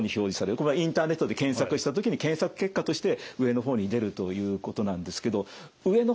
これインターネットで検索した時に検索結果として上の方に出るということなんですけど上の方はですね